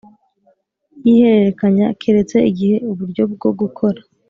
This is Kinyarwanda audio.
yihererekanya keretse igihe uburyo bwo gukora